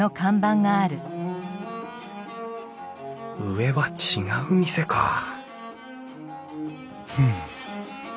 上は違う店かふん。